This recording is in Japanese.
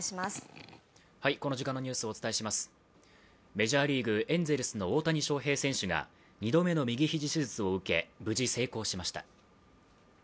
メジャーリーグ、エンゼルスの大谷翔平選手が２度目の右肘手術を受け、無事成功しました。